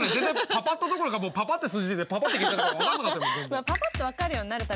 パパっとどころかもうパパって数字出てパパって消えたから分かんなかった。